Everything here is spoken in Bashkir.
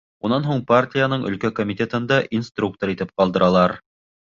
Унан һуң партияның өлкә комитетында инструктор итеп ҡалдыралар.